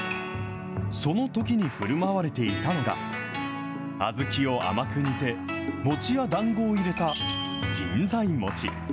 そのときにふるまわれていたのが、小豆を甘く煮て、餅やだんごを入れた神在餅。